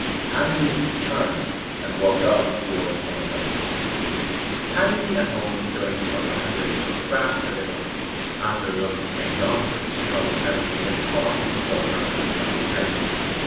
Pansy turned and walked on towards St. Launce's Pansy at home, during summer, had little but grass to live on. After a run to St. Launce's she always had a feed of corn to support her on the return journey.